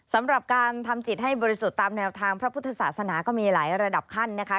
สำหรับการทำจิตให้บริสุทธิ์ตามแนวทางพระพุทธศาสนาก็มีหลายระดับขั้นนะคะ